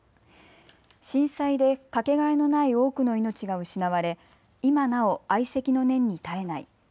震災で掛けがえのない多くの命が失われ今なお哀惜の念に堪えない。